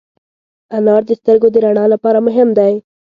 انار د سترګو د رڼا لپاره مهم دی.